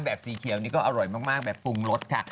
สีเขียวนี่ก็อร่อยมากแบบปรุงรสค่ะ